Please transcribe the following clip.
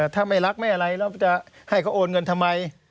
ถ้าไม่รักไม่อะไรแล้วจะให้เขาโอนเงินทำไม